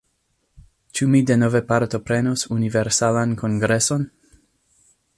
Ĉu mi denove partoprenos Universalan Kongreson?